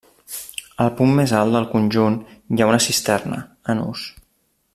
Al punt més alt del conjunt hi ha una cisterna, en ús.